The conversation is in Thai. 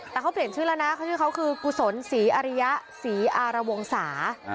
แต่เขาเปลี่ยนชื่อแล้วนะเขาชื่อเขาคือกุศลศรีอริยะศรีอารวงศา